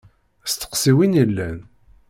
Steqsi win i yellan.